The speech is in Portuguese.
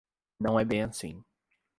Não é bem assim.